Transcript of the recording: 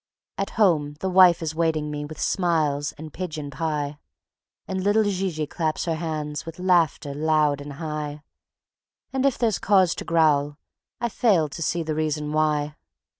At home the wife is waiting me With smiles and pigeon pie; And little Zi Zi claps her hands With laughter loud and high; And if there's cause to growl, I fail To see the reason why.